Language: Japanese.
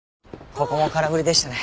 ここも空振りでしたね。